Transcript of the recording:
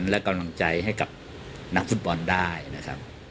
กดและกำนังใจให้กับนักฟุตบอลได้ที่ฟุตบอลใด